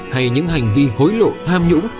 hay những hành vi hối lộ tham nhũng